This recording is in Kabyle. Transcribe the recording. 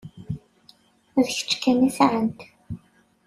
D kečč kan i sɛant.